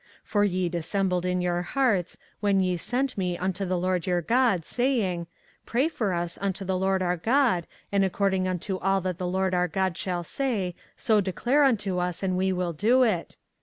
24:042:020 For ye dissembled in your hearts, when ye sent me unto the LORD your God, saying, Pray for us unto the LORD our God; and according unto all that the LORD our God shall say, so declare unto us, and we will do it.